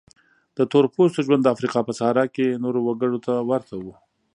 د تور پوستو ژوند د افریقا په صحرا کې نورو وګړو ته ورته و.